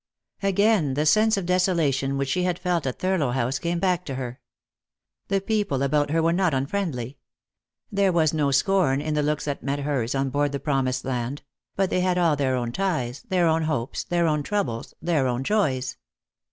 Again the sense of desolation which she had felt at Thurlow House came back to her. The people about her were not unfriendly. There was no scorn in the looks that met hers on board the Promised Land ; but they had all their own ties, their own hopes, their own troubles, their own joys.